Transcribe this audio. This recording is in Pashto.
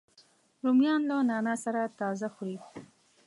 رومیان له نعناع سره تازه خوري